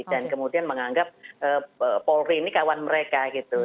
dan kemudian menganggap polri ini kawan mereka gitu